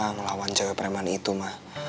melawan cewek preman itu ma